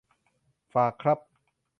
ฝากครับ